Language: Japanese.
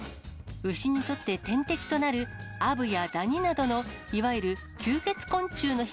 牛にとって天敵となるアブやダニなどのいわゆる吸血昆虫の被